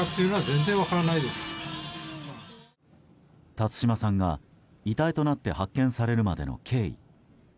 辰島さんが遺体となって発見されるまでの経緯。